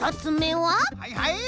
はいはい。